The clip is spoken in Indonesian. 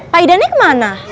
pak idannya kemana